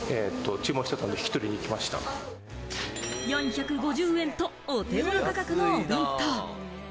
４５０円とお手ごろ価格のお弁当。